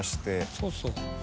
そうそう。